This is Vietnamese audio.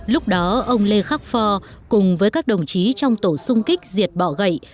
lúc đó ông lê khắc pho cùng với các đồng chí trong tổ sung kích diệt bọ gậy